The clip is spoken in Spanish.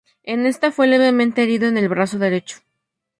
En esta fue levemente herido en el brazo derecho.